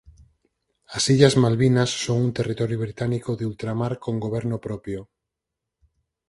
As Illas Malvinas son un Territorio Británico de Ultramar con goberno propio.